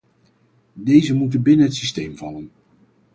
Deze moet binnen het systeem vallen.